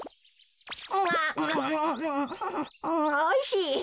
おいしい。